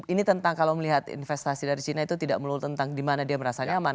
ini tentang kalau melihat investasi dari china itu tidak melulu tentang dimana dia merasa nyaman